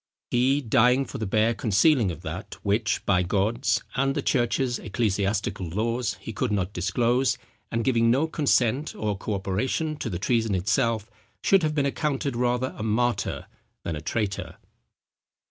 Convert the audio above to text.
He, dying for the bare concealing of that, which, by God's, and the church's ecclesiastical laws, he could not disclose, and giving no consent or co operation to the treason itself, should have been accounted rather a martyr than a traitor."